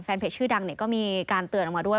เพจชื่อดังก็มีการเตือนออกมาด้วย